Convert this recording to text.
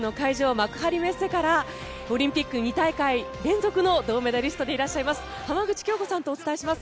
幕張メッセからオリンピック２大会連続の銅メダリストでいらっしゃいます浜口京子さんとお伝えします。